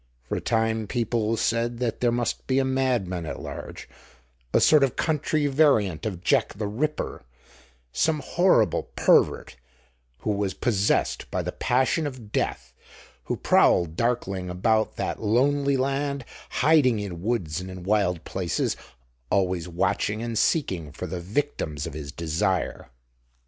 For a time people said that there must be a madman at large, a sort of country variant of Jack the Ripper, some horrible pervert who was possessed by the passion of death, who prowled darkling about that lonely land, hiding in woods and in wild places, always watching and seeking for the victims of his desire.